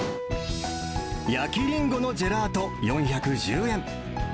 焼きリンゴのジェラート４１０円。